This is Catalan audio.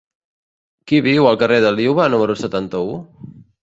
Qui viu al carrer de Liuva número setanta-u?